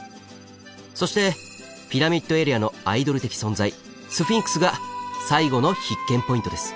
そしてピラミッドエリアのアイドル的存在スフィンクスが最後の必見ポイントです。